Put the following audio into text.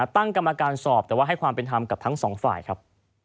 ตั้งกรรมการสอบแต่ว่าให้ความเป็นธรรมกับทั้งสองฝ่ายครับ